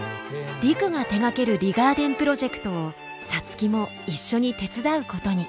陸が手がけるリガーデンプロジェクトを皐月も一緒に手伝うことに。